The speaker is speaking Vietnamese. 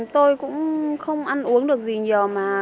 tôi cũng không ăn uống được gì nhiều mà